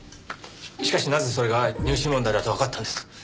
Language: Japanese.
しかしなぜそれが入試問題だとわかったんです？